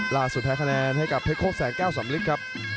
ราชศูนย์แพ้คะแนนให้กับเผ็ดโค้กแสงแก้วสำลิดครับ